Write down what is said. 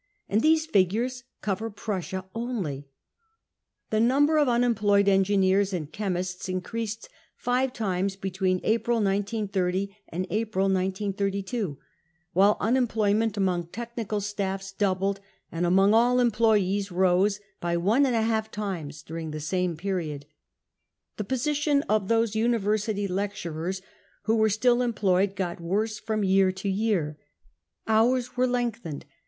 And these figures cover Prussia only ! The number of unemployed engineers and chemists increased five times between April 1930 and April 1932, while unemployment among technical staffs doubled, and among all employees rose by times, during the same period. The position of those university lecturers who were still employed got worse from year to year, flours were lengthened.